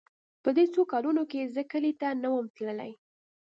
په دې څو کلونو چې زه کلي ته نه وم تللى.